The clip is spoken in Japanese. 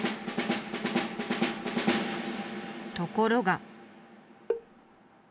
ところが。